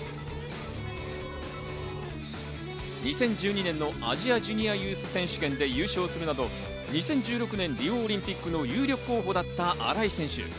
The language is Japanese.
２０１２年のアジアジュニアユース選手権で優勝するなど、２０１６年リオオリンピックの有力候補だった新井選手。